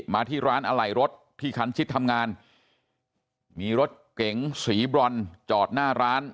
มาที่ร้านอะไหล่รถที่คันชิดทำงานมีรถเก๋งสีบรอนจอดหน้าร้าน